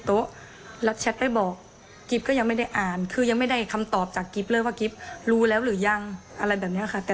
แต่ที่เขาให้สัมภาษณ์อะเขาบอกว่าให้น้องกิฟต์อะอยู่เป็นเพื่อนพี่สาวเขาด้วยนะ